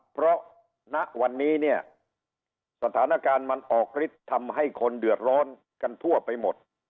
เพราะณวันนี้เนี่ยสถานการณ์มันออกฤทธิ์ทำให้คนเดือดร้อนกันทั่วไปหมด